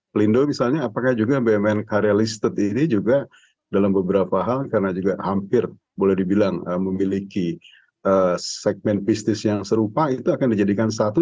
pelindo misalnya apakah juga bumn karya listed ini juga dalam beberapa hal karena juga hampir boleh dibilang memiliki segmen bisnis yang serupa itu akan dijadikan satu